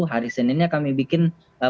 hari senin nya kami bikin pencabutan